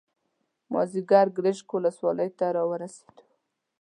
مازیګر ګرشک ولسوالۍ ته راورسېدو.